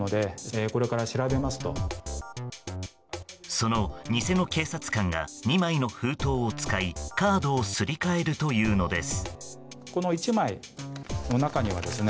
その偽の警察官が２枚の封筒を使いカードをすり替えるというのです。